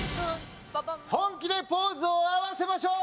本気でポーズを合わせましょう！